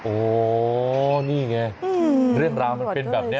โอ้โหนี่ไงเรื่องราวมันเป็นแบบนี้